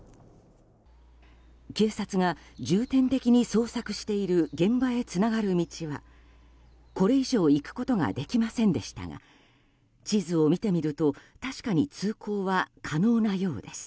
警察が重点的に捜索している現場へつながる道はこれ以上行くことができませんでしたが地図を見てみると確かに通行は可能なようです。